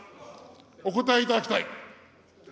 お応えいただきたい。